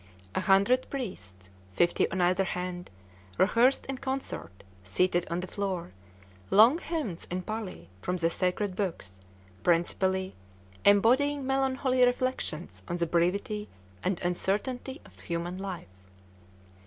A hundred priests, fifty on either hand, rehearsed in concert, seated on the floor, long hymns in Pali from the sacred books, principally embodying melancholy reflections on the brevity and uncertainty of human life.